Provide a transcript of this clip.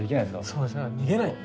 そうですよね逃げない。